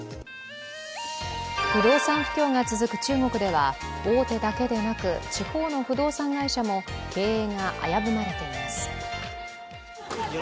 不動産不況が続く中国では大手だけでなく地方の不動産会社も経営が危ぶまれています。